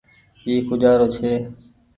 اي کوجآرو ڇي۔